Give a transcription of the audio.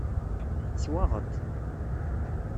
Teswaɣeḍ-t.